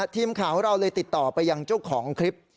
ทีมข่าวของเราเลยติดต่อไปยังเจ้าของคลิป